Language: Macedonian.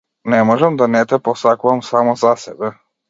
Не можам да не те посакувам само за себе!